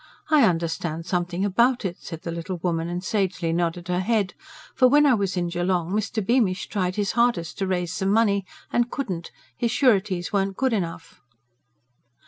"I understand something about it," said the little woman, and sagely nodded her head. "For when I was in Geelong, Mr. Beamish tried his hardest to raise some money and couldn't, his sureties weren't good enough."